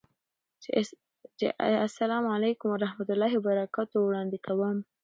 چې اسلام علیکم ورحمة الله وبرکاته ده، وړاندې کوم